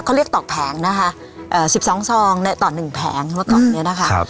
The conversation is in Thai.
เขาเรียกตอกแผงนะคะเอ่อสิบสองซองเนี้ยต่อหนึ่งแผงเมื่อก่อนเนี้ยนะคะครับ